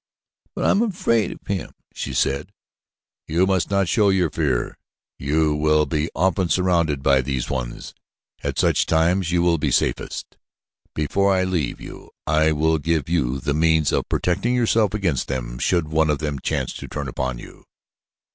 "But I am afraid of him," she said. "You must not show your fear. You will be often surrounded by these apes. At such times you will be safest. Before I leave you I will give you the means of protecting yourself against them should one of them chance to turn upon you.